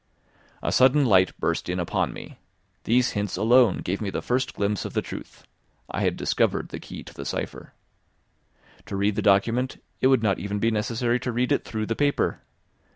A sudden light burst in upon me; these hints alone gave me the first glimpse of the truth; I had discovered the key to the cipher. To read the document, it would not even be necessary to read it through the paper.